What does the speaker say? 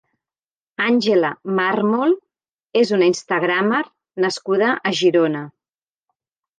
Àngela Mármol és una instagrammer nascuda a Girona.